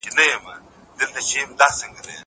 کېدای سي ليکنې اوږدې وي!!